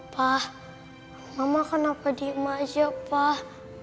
pak mama kenapa diema aja pak